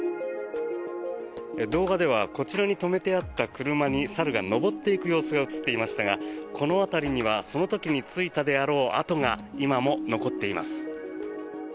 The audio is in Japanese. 動画ではこちらに止めてあった車に猿が上っていく様子が映っていましたがこの辺りにはその時についたであろう跡が今も残っています。